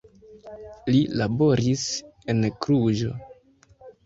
Li laboris en Kluĵo.